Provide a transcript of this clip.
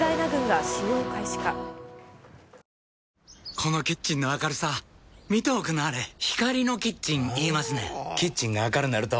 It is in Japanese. このキッチンの明るさ見ておくんなはれ光のキッチン言いますねんほぉキッチンが明るなると・・・